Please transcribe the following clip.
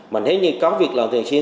mà nếu như có việc làm thường xuyên